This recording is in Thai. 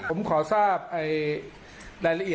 ตำรวจโทรลาดเนาะ